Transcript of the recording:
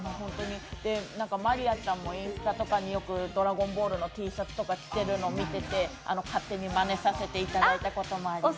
真莉愛ちゃんもインスタとかでよく、「ドラゴンボール」のＴシャツとか着ているのを見て、勝手にまねさせていただいたこともあります。